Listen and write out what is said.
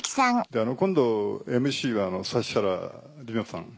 今度ＭＣは指原莉乃さん。